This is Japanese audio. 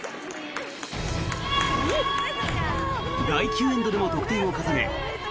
第９エンドでも得点を重ね